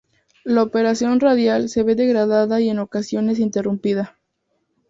La operación radial se ve degradada y en ocasiones interrumpida.